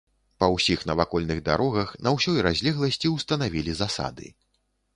Па ўсіх навакольных дарогах, на ўсёй разлегласці ўстанавілі засады.